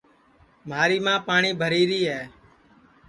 مھاری ماں پاٹؔی بھری ری ہے